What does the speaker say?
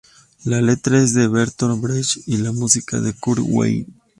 La letra es de Bertolt Brecht, y la música, de Kurt Weill.